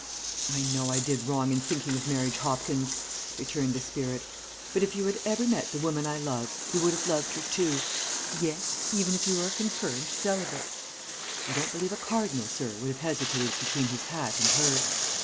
"I know I did wrong in thinking of marriage, Hopkins," returned the spirit, "but if you had ever met the woman I loved, you would have loved her too yes, even if you were a confirmed celibate. I don't believe a Cardinal, sir, would have hesitated between his hat and her.